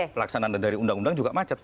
pelaksanaan dari undang undang juga macet